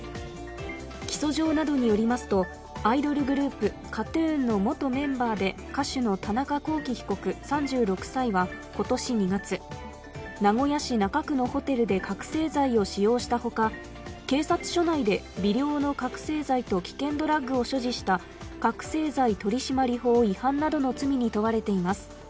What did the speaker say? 起訴状などによりますとアイドルグループ、ＫＡＴ−ＴＵＮの元メンバーで歌手の田中聖被告３６歳は今年２月、名古屋市中区のホテルで覚醒剤を使用したほか、警察署内で微量の覚醒剤と危険ドラッグを所持した覚醒剤取締法違反などの罪に問われています。